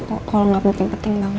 kalo gak penting penting banget